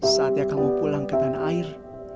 saatnya kamu pulang ke tanah air